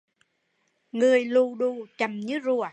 Người lù đù, chậm như rùa